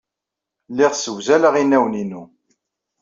Lliɣ ssewzaleɣ inawen-inu.